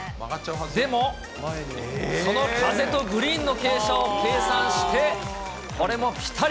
でも、その風とグリーンの傾斜を計算してこれもぴたり。